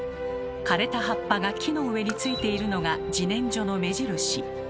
枯れた葉っぱが木の上についているのが自然薯の目印。